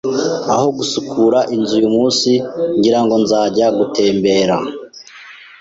Aho gusukura inzu uyumunsi, ngira ngo nzajya gutembera.